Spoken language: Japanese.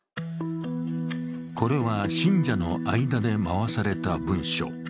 これは信者の間で回された文書。